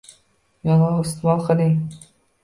Yong‘oq iste’mol qiling.